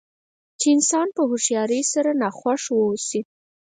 چې انسان په هوښیارۍ سره ناخوښه واوسي.